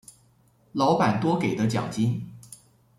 老板多给的奖金